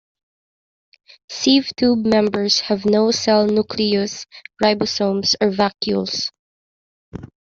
Sieve tube members have no cell nucleus, ribosomes, or vacuoles.